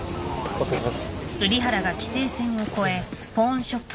お疲れさまです。